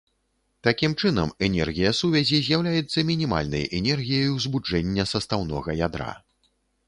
Такім чынам энергія сувязі з'яўляецца мінімальнай энергіяй ўзбуджэння састаўнога ядра.